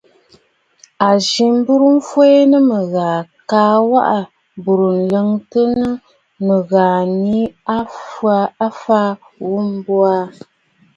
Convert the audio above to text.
A yî m̀burə̀ m̀fwɛɛ nɨ mɨ̀ghàà kaa waʼà bùrə̀ laŋtə nɨ̂ ŋû yìi a ghàà ghu mbo aà.